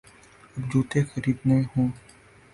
اب جوتے خریدنے ہوں۔